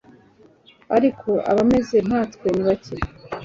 Ariko abameze nkatwe ni bake